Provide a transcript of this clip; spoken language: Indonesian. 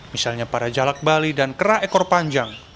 misalnya pada jalak bali dan kera ekor panjang